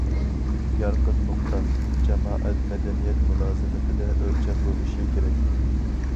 يارقىن نۇقتا: جامائەت مەدەنىيەت مۇلازىمىتىدە ئۆلچەم بولۇشى كېرەك.